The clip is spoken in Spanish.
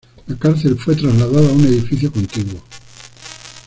La cárcel fue trasladada a un edificio contiguo.